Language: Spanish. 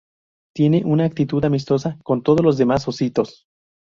Tiene una actitud amistosa con todos los demás ositos.